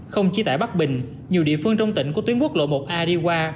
không chỉ tại bắc bình nhiều địa phương trong tỉnh của tuyến quốc lộ một a đi qua